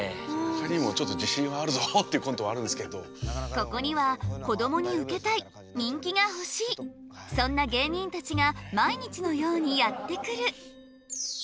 ここにはこどもにウケたい人気が欲しいそんな芸人たちが毎日のようにやって来る。